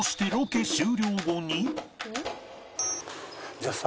じゃあさ